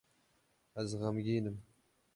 Ez xemgîn im.